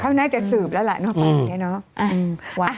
เขาน่าจะสืบแล้วล่ะเนอะ